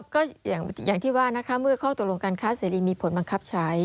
ก็อย่างที่ว่านะคะเมื่อข้อตกลงการค้าเสรีมีผลบังคับใช้